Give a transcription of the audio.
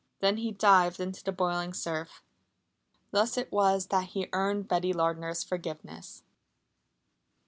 Then he dived into the boiling surf. Thus it was that he earned Betty Lardner's forgiveness.